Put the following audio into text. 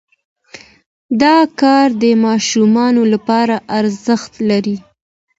دا کار د ماشومانو لپاره ارزښت لري.